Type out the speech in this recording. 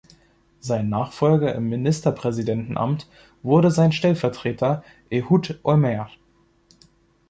Sein Nachfolger im Ministerpräsidentenamt wurde sein Stellvertreter Ehud Olmert.